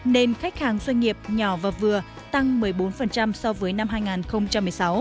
nên khách hàng doanh nghiệp nhỏ và vừa tăng một mươi bốn so với năm hai nghìn một mươi sáu